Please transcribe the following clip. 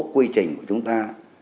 quy trình của chúng ta